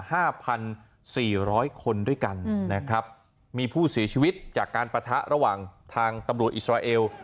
ห้าพันสี่ร้อยคนด้วยกันอืมนะครับมีผู้เสียชีวิตจากการปะทะระหว่างทางตำรวจอิสราเอล